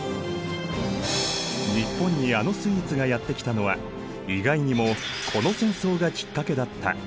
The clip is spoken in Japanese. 日本にあのスイーツがやって来たのは意外にもこの戦争がきっかけだった。